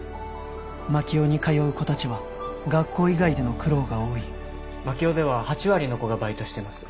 槙尾に通う子たちは学校以外での苦労が多い槙尾では８割の子がバイトしてます。